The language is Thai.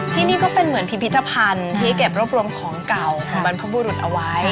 ที่นี่ก็เป็นเหมือนพิพิธภัณฑ์ที่เก็บรวบรวมของเก่าของบรรพบุรุษเอาไว้